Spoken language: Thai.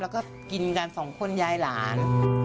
แล้วก็กินกันสองคนยายหลาน